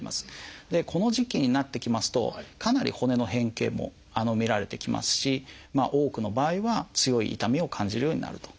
この時期になってきますとかなり骨の変形も見られてきますし多くの場合は強い痛みを感じるようになると。